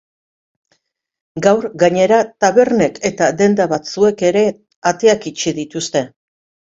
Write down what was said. Gaur, gainera, tabernek eta denda batzuek ere ateak itxi dituzte.